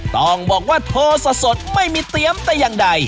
ต้องบอกว่าโทรสดไม่มีเตรียมแต่อย่างใด